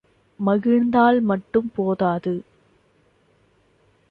மகிழ்ந்தால் மட்டும் போதாது.